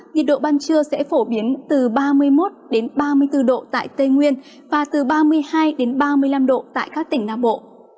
nhiệt độ ban trưa sẽ phổ biến từ ba mươi một ba mươi bốn độ tại tây nguyên và từ ba mươi hai ba mươi năm độ tại các tỉnh nam bộ